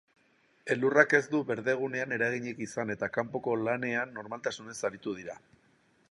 Elurrak ez du berdegunean eraginik izan eta kanpoko lanean normaltasunez aritu dira.